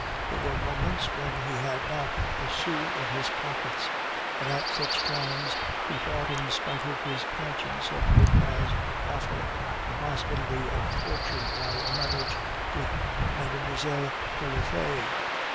There were moments when he had not a sou in his pockets, and at such times he thought in spite of his conscience of Vautrin's offer and the possibility of fortune by a marriage with Mlle. Taillefer.